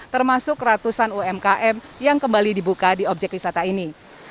termasuk ratusan umkm yang kembali dibuka di objek wisata ini